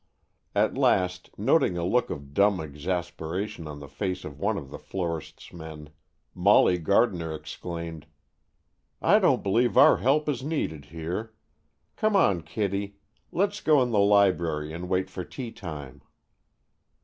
At last, noting a look of dumb exasperation on the face of one of the florist's men, Molly Gardner exclaimed, "I don't believe our help is needed here; come on, Kitty, let's go in the library and wait for tea time."